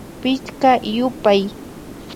Pichka yupay